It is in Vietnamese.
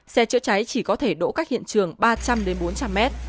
xe chữa cháy chỉ có thể đỗ cách hiện trường ba trăm linh bốn trăm linh m